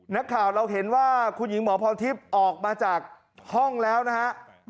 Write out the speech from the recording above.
นักข่าวเราเห็นว่าคุณหญิงหมอพรทิพย์ออกมาจากห้องแล้วนะฮะ